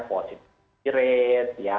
positif rate ya